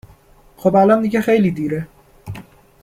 خب الان دیگه خیلی دیره